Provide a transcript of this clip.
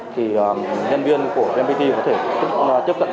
thì nhân viên của vnpt có thể tiếp cận